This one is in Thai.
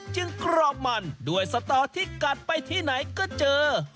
กรอกมันด้วยสตอที่กัดไปที่ไหนก็เจอ